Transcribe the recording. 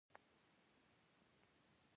دواړه ډولونه په دې پړاو کې سره یوځای کېږي